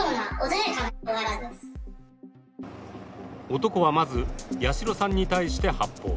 男はまず八代さんに対して発砲。